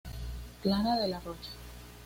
Clara de la Rocha